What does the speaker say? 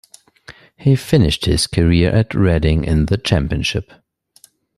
He finished his career at Reading in the Championship.